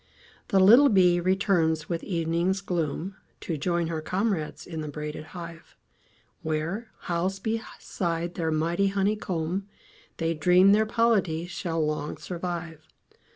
The little bee returns with evening's gloom, To join her comrades in the braided hive, Where, housed beside their mighty honeycomb, They dream their polity shall long survive.